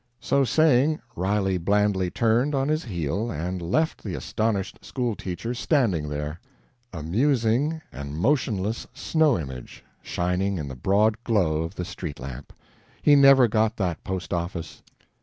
So saying, Riley blandly turned on his heel and left the astonished school teacher standing there, a musing and motionless snow image shining in the broad glow of the street lamp. He never got that post office.